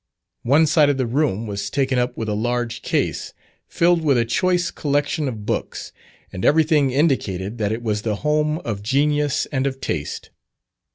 One side of the room was taken up with a large case, filled with a choice collection of books, and everything indicated that it was the home of genius and of taste.